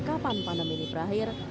kapan pandemi ini berakhir